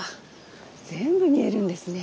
全部見えるんですね。